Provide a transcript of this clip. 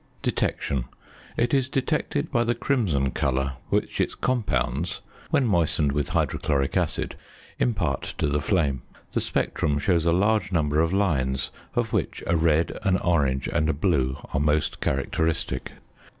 ~Detection.~ It is detected by the crimson colour which its compounds (when moistened with hydrochloric acid) impart to the flame. The spectrum shows a large number of lines, of which a red, an orange, and a blue are most characteristic.